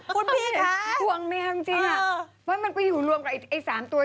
ผมเพิ่งจะมาวันนี้แล้วก็จะกลับเลย